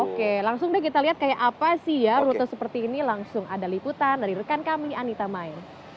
oke langsung deh kita lihat kayak apa sih ya rute seperti ini langsung ada liputan dari rekan kami anita mae